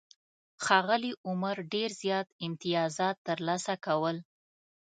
ښاغلي عمر ډېر زیات امتیازات ترلاسه کول.